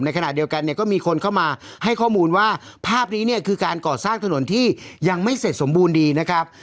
ขณะเดียวกันเนี่ยก็มีคนเข้ามาให้ข้อมูลว่าภาพนี้เนี่ยคือการก่อสร้างถนนที่ยังไม่เสร็จสมบูรณ์ดีนะครับ